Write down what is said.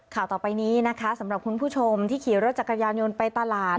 ข่าวต่อไปนี้นะคะสำหรับคุณผู้ชมที่ขี่รถจักรยานยนต์ไปตลาด